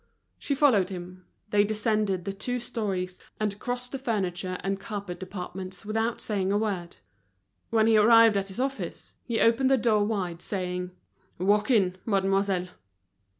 She followed him, they descended the two storeys, and crossed the furniture and carpet departments without saying a word. When he arrived at his office, he opened the door wide, saying, "Walk in, mademoiselle."